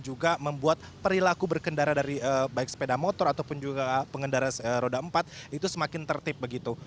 juga membuat perilaku berkendara dari baik sepeda motor ataupun juga pengendara roda empat itu semakin tertib begitu